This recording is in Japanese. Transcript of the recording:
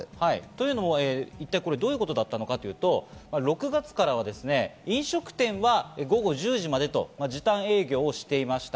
どういうことかというと、６月からは飲食店は午後１０時までと時短営業をしていました。